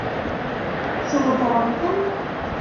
Tweddṛemt-ten?